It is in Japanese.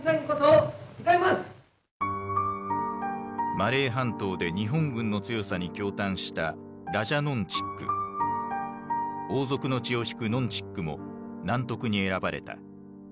マレー半島で日本軍の強さに驚嘆した王族の血を引くノン・チックもナントクに選ばれた。